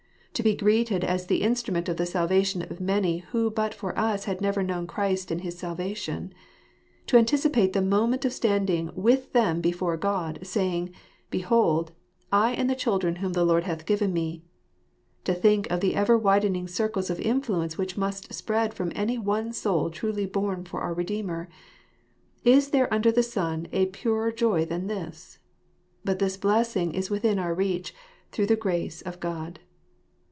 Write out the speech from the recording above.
To be greeted as the instrument of the salvation of many who but for us had never known Christ and his salvation ; to anticipate the moment of standing with them before God, saying, " Behold, I and the children whom the Lord hath given me "; to think of the ever widening circles of influence which must spread from any one soul truly bom for our Redeemer : is there under the sun a purer joy than this? But this blessing is within our reach, through the grace of God.